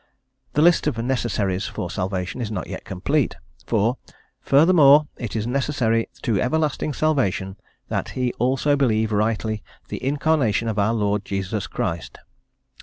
The list of necessaries for salvation is not yet complete, for "furthermore it is necessary to everlasting salvation, that he also believe rightly the Incarnation of our Lord Jesus Christ."